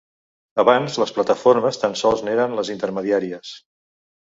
Abans, les plataformes tan sols n’eren les intermediàries.